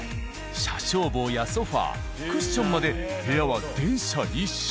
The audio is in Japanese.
車掌帽やソファクッションまで部屋は電車一色。